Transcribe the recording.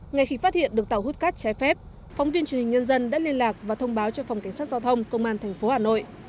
ngay khi phát hiện được tàu hút cát trái phép phóng viên truyền hình nhân dân đã liên lạc và thông báo cho phòng cảnh sát giao thông công an tp hà nội